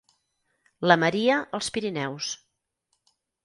La Maria als Pirineus.